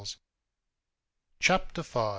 Chapter V.